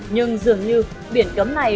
nhưng dường như biển cấm này